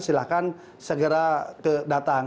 silahkan segera datang